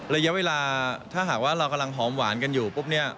ระยะเวลาถ้าหากว่าเรากำลังหอมหวานกันอยู่ปุ๊บเนี่ย